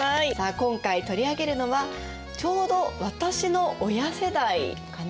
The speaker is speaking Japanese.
今回取り上げるのはちょうど私の親世代かな。